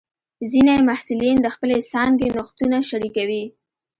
ځینې محصلین د خپلې څانګې نوښتونه شریکوي.